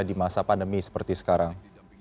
di masa pandemi seperti sekarang